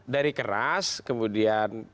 dari keras kemudian